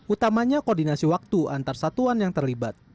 utamanya koordinasi waktu antar satuan yang terlibat